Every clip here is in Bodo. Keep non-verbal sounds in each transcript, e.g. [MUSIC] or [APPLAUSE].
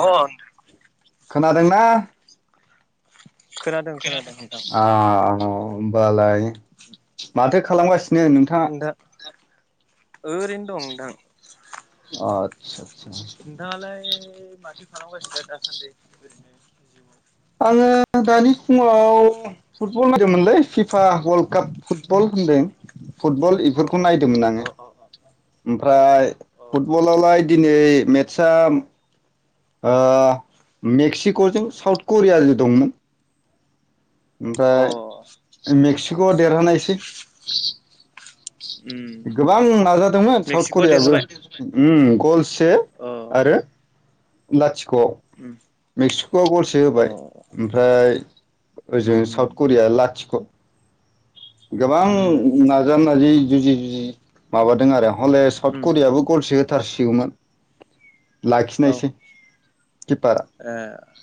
अ ओनथां खोनादोंना? खोनादों खोना आ अ होमबालाय माथो खालामगासिन नो नोंथाङा नोंथां खा ओरैनो दं नोंथां। अ आतसा नोंथाङालाय यै बाद खु खालामगासिनो दासान्दै ओरैनो जिउआव आङो दानि फुङाव फुटबल नायदोंमोनलै फिफा वर्ल्ड काप फुटबल होनदों फुटबल जिउआव इफोरखौ अ नादोमोन आङो। अ ओमफ्राय अ फुटबलावलाय दिनै मेटसआम ओ मेक्सिक'जों साउथ करियाजो दंमोन। अ ओमफाय मेक्सि ग देरहानायसै। उम गोबां नाजादोंमोन साउथ मेक्सिक'आ करियाबो देरहाबाय उम गलसे अ आरो ओमबा थिक क'आव उम मेक्सिक'आ गलसे अ होबाय ओमफ्राय ओजों उम साउथ करिया लाथिख'। गोबां उम नाजा नाजि जुजि जुजि माबादों आरो हले साउथ उम करियाबो गलसे होथारसिगौमोन। लाखिनायसै किपारा ओ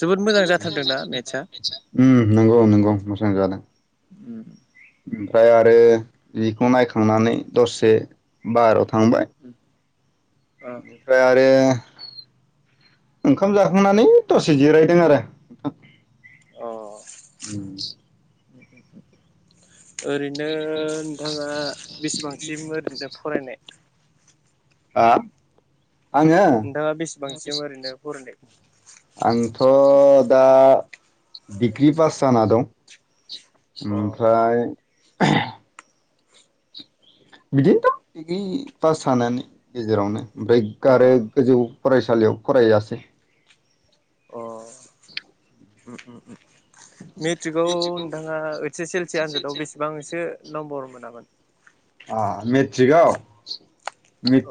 जोबोद मोजां जाथारदोंना ना मेटसआ? उम नंगौ नंगौ मोजां जादों। उम उम ओमफ्राय आरो बेखौ नायखांनानै दसे बाहेराव था थांबाय उम अ इनिफ्राय आरो ओंखाम जाखांनानै दसे जिरायदों आरो नोंथां। अ ओरैनो नोंथाङा बेसेबांसिम ओरैनो फरायनाय? हा? आङो नोंथाङा बेसेबांसिम ओरैनो फरायनाय आंथ' दा दिग्रि पास जाना दं। अ ओमफ्राय [UNINTELLIGIBLE] उम बिदिनोथ' डिग्रि पास सानानै गेजेरावनो ओमफ्राय अ गारो गोजौ फरायसालियाव फरायासै अ ओम ओम ओम मेट्रिकआव नोंथाङा ओइस एस एल सि आनजादाव बेसेबांसो नम्बर मोनामोन? आ मेट्रिकआव?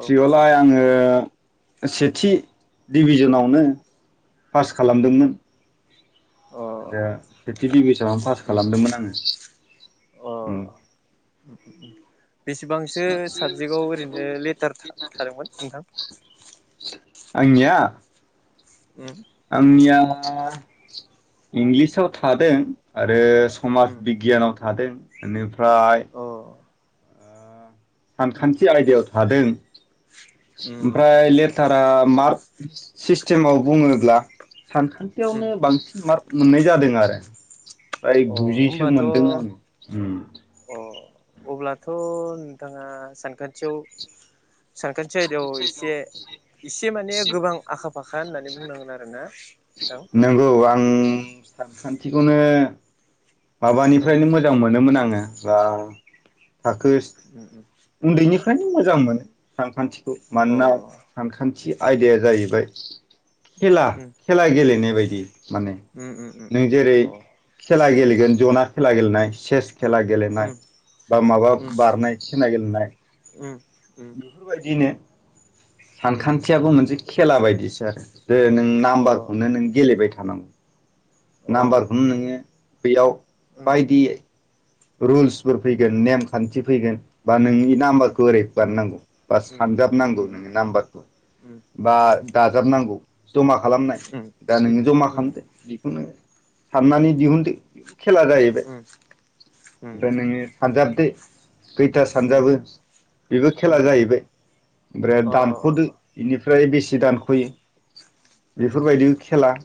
औ आङो सेथि डिभिजनावनो पास खालामदोंमोन अ रो दा सेथि दिभि सन आव पास उम उम खालामदोंमोन आङो। अ उम [INAUDIBLE] बेसेबांसो साबजेक्टआव ओरैनो लेटार था-थादोंमोन नोंथां? आंनिया? उम आंनिया इंलिसाव थादों आरो समाज उम बिगियानाव थादों इनिफ्राय [INAUDIBLE] उम सानखान्थि आयदायाव थादों उम ओमफ्राय लेथार आ मार्क सिस्टेमाव बुङोब्ला उम सानखान्थियावनो अ बांसिन मार्क मोननाय जादों आरो फ्राय गुजिसो होमबाथ' मोनदों आङो अ अब्लाथ' नोंथाङा सानखान्थियाव सानखान्थि आयदायाव एसे एसे माने गोबां आखा फाखा होननानै बुंनांगोन आरोना नोंथां नोंगौ आं सानखान्थिखौनो उम माबानिफ्रायनो मोजां मोनोमोन आङो [UNINTELLIGIBLE] [UNINTELLIGIBLE] उन्दैनिफ्रायनो मोजां मोनो सानखान्थि अ मानोना सानखान्थि आयदाया जाहैबाय खेला उम खेला गेलेनाय बायदि दि माने उम नों जेरै खेला गेले जेन जना खेला गेलेनाय सेस खेला गेलेनाय बा माबा बारनाय नाय उम बेफोरबायदिनो उम सानखान्थियाबो मोनसे खेला बायदिसो आरो जे नों अ नाम्बारखौनो नों गेलेबाय थानांगौ। अ नाम्बारखौनो नोङो बेयाव उम बायदि रुल्सफोर फैगोन नेमखान्थि फैगोन। बा नोंनि उम नाम्बारखौ ओरै बानानांगौ बा उम सानजाबनांगौ उम उम नोंनि उम नाम्बारखौ बा उम दाजाबनांगौ। जमा खालामनाय उम दा नोङो जमा खालामदो बिखौनो साननानै दिहुनदो। खेला जाहैबाय। उम ओमफ्राय नोङो सानजाबदो खैथा उम सानजाबो बेबो खेला उम जाहैबाय अ ओमफ्राय अ अ दानख'दो अ बेनिफ्राय बेसे उम दानख'यो उम उम बेफोरबायदि खेला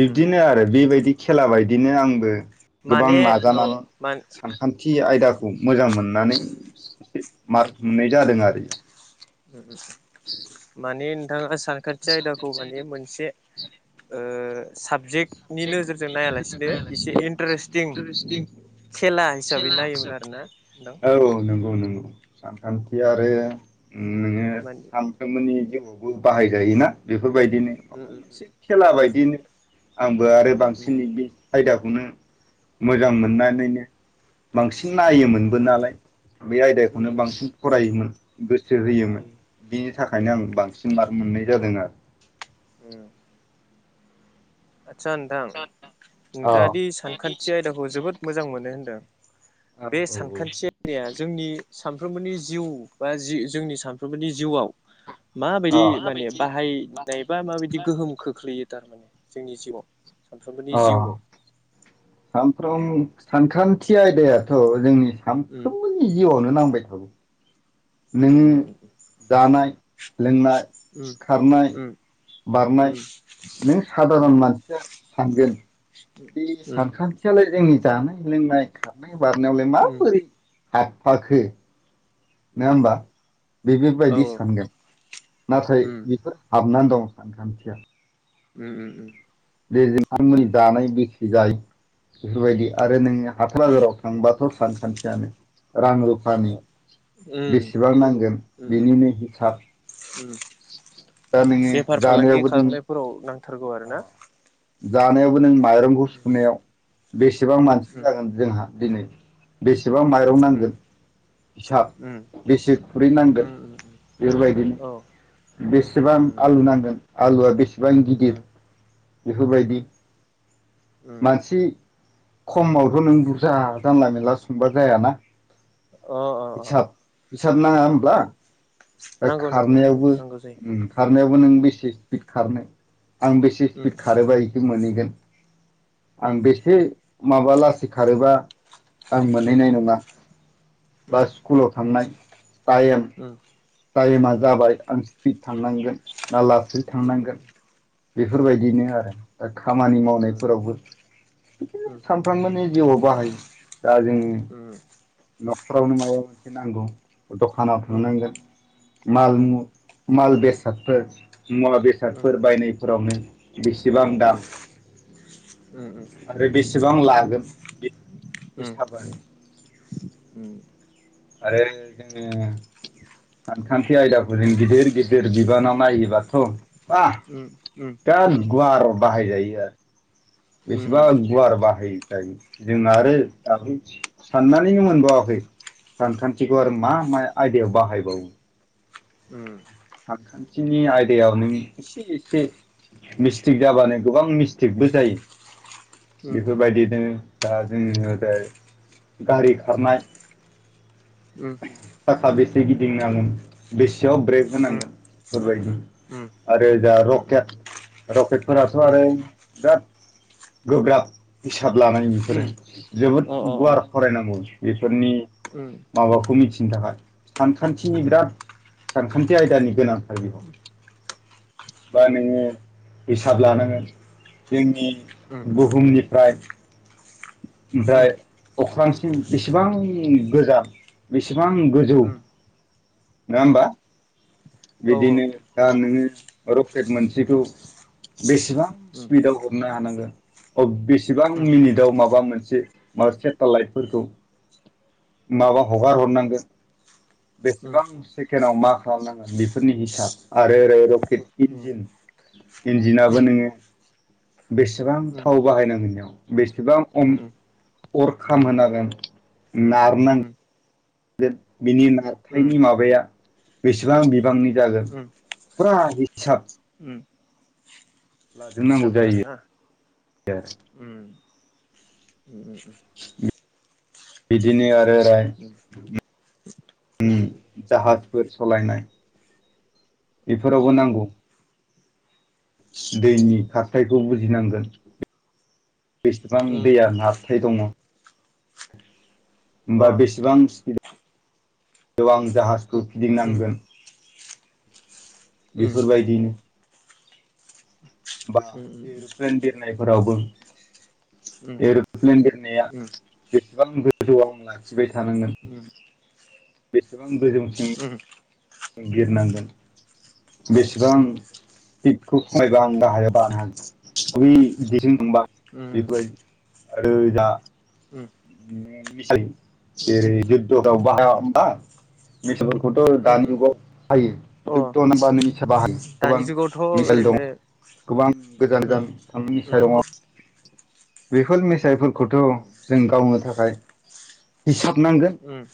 बिब्दिनो आरो बेबायदि खेला बायदिनो आंबो माने जानानै मान सानखान्थि उम आयदाखौ मोजां मोननानै सो उम मारथुमनाय जादों आरोखि उम [UNINTELLIGIBLE] सानखान्थि आयदाखौ माने मोनसे ओ साबजेक्ट इन्टारेस्टिं खेला हिसाबै नायोमोन आरोना नोंथां औ औ नोंगौ नोंगौ। सान खान्थि आरो उम उम नोङो माने सानफ्रोमबोनि थेबाबो बाहाय जायोना बेफ फोर बायदिनो उम उम से खेला उम बायदिनो। आंबो आरो बांसिन बे आयदाखौनो मोजां मोननानैनो बांसिन नायोमोनबो नालाय बे आयदाखौनो आदसा बांसिन फरायोमोन गोसो होयोमोन बिनि थाखायनो आं बांसिन मार्क मोननाय जादों आरो। उम। आदसा नोंथां आरो नोंथाङा दि सानखान्थि आयदाखौ जोबोद मोजां मोनो होनदों अ बे औ औ सानखान्थि आयदाया जोंनि स सामफ्रोमबोनि जिउ बा जि जोंनि सामफ्रोमबोनि जिउआव माबायदि औ माने माबायदि बाहायनायबा माबायदि गोहोम खोख्लैयो थारमाने? जोंनि जिउआव सानफ्रोमबोनि अ जिउआव सानफ्रोम सानखान्थि आयदायाथ जोंनि उम सानफ्रोमबोनि जिउआवनो नांगौ बाय थागौ उम नों जानाय लोंनाय उम खारनाय उम उम बारनाय उम नों उम उम सादारन उम मानसिया सानगोन बे सानखान्थियालाय जोंनि जानाय लोंनाय खारनाय बारनायावलाय माबोरै हाबफाखो नङा उम होमबा औ बेफोरबायदि सानगोन नाथाय उम बेफोर हाबनानै दं। सानखान्थिया उम उम उम [UNINTELLIGIBLE] [UNINTELLIGIBLE] गाय बेफोरबायदि आरो नोङो हाथाइ बाजाराव थांबाथ सानखान्थियानो रां रुफानि बेसेबां नांगोन उम बिनिनो हिसाब उम दा नोङो बेफार फालांगि जानायावबो नों खालामनायफोराव नांथारगौ आरो ना? जानायावबो नों माइरंखौ सुनायाव बेस सेबां मानसि जागोन जोंहा दिनै बेसेबां माइरं नांगोन हिसाब बेसे खुरै नांगोन बेफोरबायदिनो बेसेबां आलु नांगोन? आलुवआ बेसे बां गिदिर बेफोरबायदि मानसि खमावथ' नों बुरजा जानला मोनानला संबा जायाना। औ अ अ हिसाब हिसाब नाङा होमब्ला? अ दा नांगौ नांगौ खारनायावबो नांगौ जायो ओम खारनायावबो नों उम बेसे स्पिड खारनो आं बेसे उम स्पिट खारोबा इसे मोनहैगोन [INAUDIBLE] आं उम बेसे माबा लासै खारोबा आं उम उम मोनहैनाय नङा, बा उम स्कुलाव थांनाय टायेम उम उम टायेमा उम उम उम जाबाय आं स्फिद थांनांगोन ना लासै उम थांनांगोन। उम बेफोरबायदिनो आरो दा खामानि मावनायफोरावबो बिदिनो सानफ्रामबो नि जिउआव बाहायो। दा जोंनि न' फ्रावनो माबा मोनसे नांगौ दखानाव थांनांगोन माल मु माल बेसादफोर मुवा बेसादफोर बायनाय आवनो बेसेबां दाम आरो बेसेबां लागोन बे हिसाब आरो ओम। आरो जोङो सानखान्थि आयदाखौ जों गिदिर गिदिर बिबानाव नायोबाथ' बा गाट गुवार बाहायजायो आरो। बेसेबा गुवार बाहायो। जायो। जोंना आरो दाख्लि सानना नैनो मोनबावाखै। सानखान्थिखौ आरो मा मा आयदायाव बाहायबावो। ओम। आखान्थिनि आयदायाव नों एसे एसे मिस्टेक जाबानो गोबां मिस थिगबो जायो। बेफोरबायदिनो दा जोंङो जाय गारि खारनाय साखा बे गिदिं नांगोन बेसेयाव [UNINTELLIGIBLE] होनांगोन बेफोरबायदि आरो जा रकेट रकेटफोराथ' उम आरो बिराद गोब्राब [UNINTELLIGIBLE] [UNINTELLIGIBLE] लानाय उम बेफोरो जोबोद अ गुवार फरायनांगौ। फोरनि उम माबाखौ मिथि [UNINTELLIGIBLE] सानखान्थिनि उम बिराद सान खान्थि आयदानि गोनां। आरो बेयाव उम बानो हिसाब लानांगोन जोंनि उम बुहुमनिफ्राय ओमफ्राय अख्रां बेसेबां गोजा बेसे बेसेबां गोजौ उम नोङा उम उम होमबा? औ बिदिनो दा नंगौ नोंङो [UNINTELLIGIBLE] केद मोनसेखौ बेसेबां उम स्पिडाव हरनो हानांगोन अ बेसेबां उम मिनिटआव माबा माबा मोनसे मा सेटेलाइटफोरखौ उम माबा हगार हरनांगोन उम बेसेबां सेकेणड आव मा खालामनांगोन बेफोरनि हिसाब उम आरो ओरै रकेट इन्जिन इन्जिनाबो नोङो बेसेबां थाव बाहायनांगोन बेयाव बेसेबां [UNINTELLIGIBLE] अर खामहोनांगोन नारनां बिनि उम नारथायनि माबाया बेसेबां बिबांनि जागोन उम फुरा हिसाब। उम लाजोबनांगौ हिसाब जायो आरो ना? [UNINTELLIGIBLE] उम उम [UNINTELLIGIBLE] बिदिनो आरो ओरैहाय [UNINTELLIGIBLE] उम जाहाजफोर सालायनाय बेफोरावबो उम नांगौ। उम अ उम दैनि खारथायखौ बुजिनांगोन [UNINTELLIGIBLE] बेसेबां दैया नारथाय दङ होमबा बेसेबां स्पिडाव [UNINTELLIGIBLE] जाहाजखौ फिदिंनांगोन। बेफोरबायदिनो। बा एर'प्लेन बिरनायफोरावबो एर'प्लेन बिरनाया बेसेबां गोजौआव लाखिबाय थानांगोन। बेसेबां गोजौसिम बिरनांगोन बेसेबां उम फिटखौ खमायबा आं गाहायाव बानो हागोन [UNINTELLIGIBLE] बेफोरबायदि आरो [UNINTELLIGIBLE] उम जेरै जुद्धफोराव बाहाया होमबा [UNINTELLIGIBLE] दानि जुगाव हायो अ जुध्द' नांबा [UNINTELLIGIBLE] दानि जुगावथ' ओरैनो गोबां गोजान उम गोजान उम [UNINTELLIGIBLE] बेफोर मिसाइलफोरखौथ' उम जों गावनो थाखाय हिसाब नांगोन उम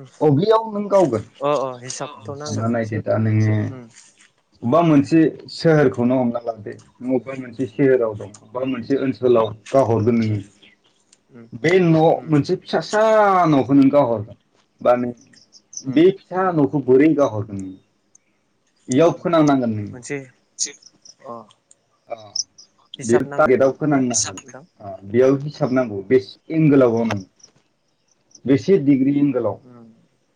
उम अबेयाव नों गावगोन? अ अ हिसाबथ' नांगोन सानना मोनसे नायदो दा नोंङो उम अबेबा मोनसे सोहोरखौनो हमना लादो नों अबेबा मोनसे सोहोराव अबेबा उम मोनसे ओनसोलाव [UNINTELLIGIBLE] नोंङो। उम उम बे न' उम मोनसे फिसासा न'खौ नों गावहरबाय बा नों उम बे फिसा न'खौ बोरै गावहरगोन नों? उम उम [UNINTELLIGIBLE] नानांगोन नों। मोनसे अ अ बे हिसाब नांगोन गेटआव बेयावबो ना फोनांनांगोन नोंथां अ बेयाव हिसाबनांगौ बेसे एंगोलाव गावनांगौ बेसे डिग्रि एंगोलाव उम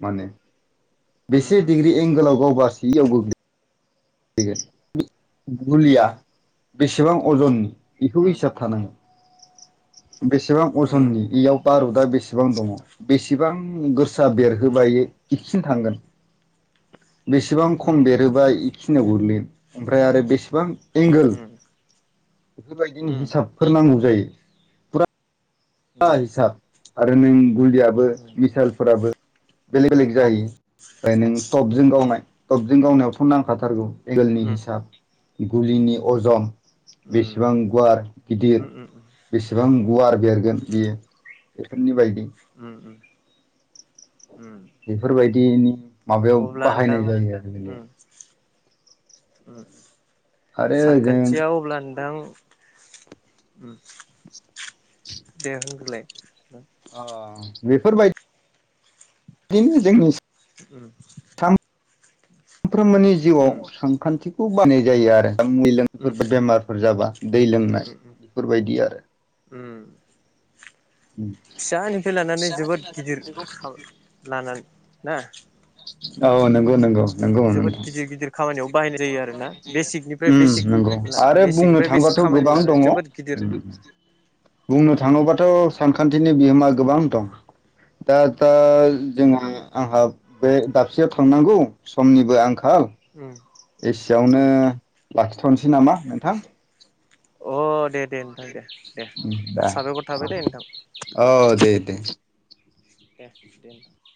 माने उम बेसे उम उम डिग्रि एंगोलाव गावबासो एयाव गोग्लै गोन [UNINTELLIGIBLE] उम गुलिया बेसेबां अजननि उम बेखौबो हिसाब थानांगोन। बेसेबां अजननि इयाव बारुता बेसेबां दङ बेसेबां गोसा बेरहोबा उम उम बेखिनि थांगोन बेसेबां खम बेरहोबा बेखिनो गोग्लैगोन ओमफ्राय आरो बेसेबां एंगोल बेफोरबायदिनो हिसाबफोर नांगौ जायो। फुरा हिसाब आरो नों गुलियाबो मिसाइलफोराबो बेलेक बेलेग जाहैयो ओमफ्राय नों टपजों गावनाय टबजों गावनायावथ' नांखाथारगौ एंगोलनि हिसाब गुलिनि अजन बेसेबां गुवार गिदिर बेसेबां गुवार बेरगोन बेयो बेफोरनि बायदि। बेफोरबायदिनि माबायाव अब्ला नोंथां बाहायनाय जायो आरो। उम आरो जों सानखान्थियाव अब्ला नोंथां [INAUDIBLE] दे होनग्रोलाय। बेफोरबाय दिनो जोंनि उम उम सानफ्रोमबोनि जिउआव उम सानखान्थिखौ बाहायनाय जायो आरो दा उम माबाफोर बेमारफोर जाबा दै लोंनाय उम उम बेफोरबायदि आरो। उम फिसानिफ्राय लानानै जोबोद गिदिर लानानै ना? औ नंगौ नंगौ। नंगौ जोबोद नोंथां गिदिर गिदिर खामानियाव बाहायनाय जायो आरोना बेसिकनिफ्राय उम बेसिक नंगौ आरो बुंनो बेसिकनिफ्राय बेसिक थांबाथ' खामानि गोबां लानानै दङ जोबोद गिदिर उम बुंनो उम थाङोबाथ' सानखान्थिनि बिहोमा गोबां दं दा दा जोंहा उम आंहा बे दाबसेयाव थांनांगौ समनिबो आं उम। एसियावनो लाखिथ'नोसै नामा नोंथां? अ दे दे नोंथां दे दे दा साबायखर थाबाय दे नोंथां औ दे। दे दे दे नोंथां।